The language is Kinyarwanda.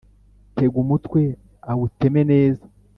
tega umutwe awuteme neza